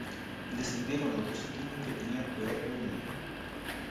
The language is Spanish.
Descendieron los dos equipos que tenían peor promedio.